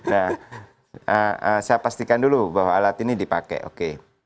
nah saya pastikan dulu bahwa alat ini dipakai oke